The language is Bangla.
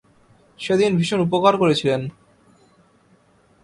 সেদিন ভীষণ উপকার করেছিলেন।